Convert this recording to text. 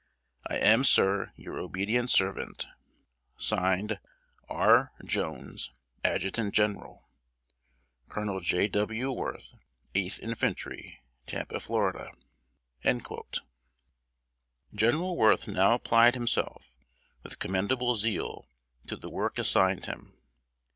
"I am, Sir, your obedient servant, (Signed) R. JONES, Adjutant General. Col. J. W. WORTH, 8th Infantry, Tampa, Florida." General Worth now applied himself, with commendable zeal, to the work assigned him.